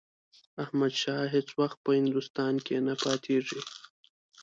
احمدشاه هیڅ وخت په هندوستان کې نه پاتېږي.